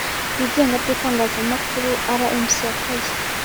rwigenga rw itangazamakuru rmc yakoze